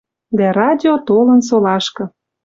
Дӓ радио толын солашкы.